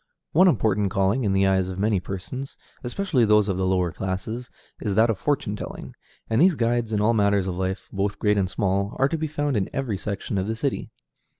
One important calling, in the eyes of many persons, especially those of the lower classes, is that of fortune telling; and these guides in all matters of life, both great and small, are to be found in every section of the city.